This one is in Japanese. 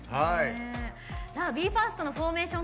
ＢＥ：ＦＩＲＳＴのフォーメーション